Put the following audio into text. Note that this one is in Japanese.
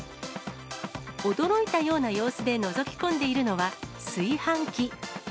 驚いたような様子でのぞき込んでいるのは炊飯器。